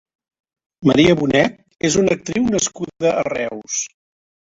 María Bonet és una actriu nascuda a Reus.